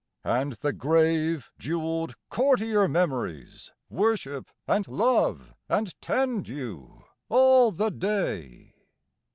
And the grave jewelled courtier Memories Worship and love and tend you, all the day.